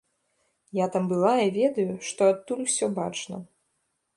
Я там была і ведаю, што адтуль усё бачна.